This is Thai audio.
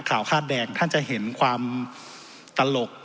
คาดแดงท่านจะเห็นความตลก